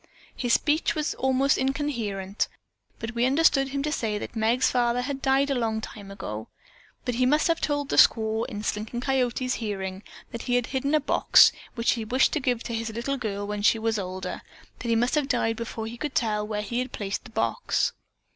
His speech was almost incoherent, but we understood him to say that Meg's father had died long ago. He must have told the squaw in Slinking Coyote's hearing that he had hidden a box which he wished given to his little girl when she was older, but he must have died before he could tell where he had placed the box."